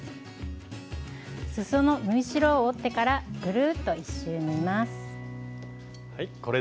すその縫い代を折ってからぐるっと１周縫います。